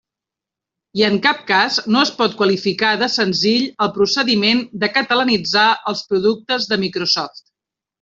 I en cap cas no es pot qualificar de senzill el procediment de catalanitzar els productes de Microsoft.